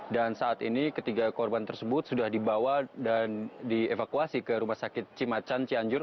dan saat ini ketiga korban tersebut sudah dibawa dan dievakuasi ke rumah sakit cimacan cianjur